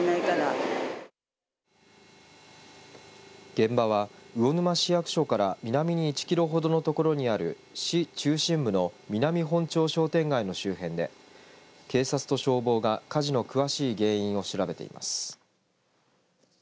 現場は魚沼市役所から南に１キロほどのところにある市中心部の南本町商店街の周辺で警察と消防が火事の詳しい原因を調べています。